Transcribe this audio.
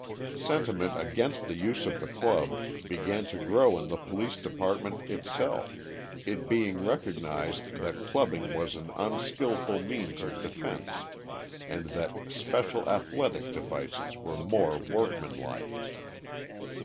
Sentiment against the use of the club began to grow in the Police Department itself, it being recognized that clubbing was an unskillful means of defense, and that special athletic devices were more workmanlike.